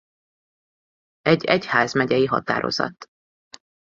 Egy egyházmegyei határozat.